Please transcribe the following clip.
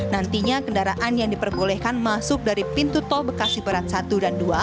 nantinya kendaraan yang diperbolehkan masuk dari pintu tol bekasi barat satu dan dua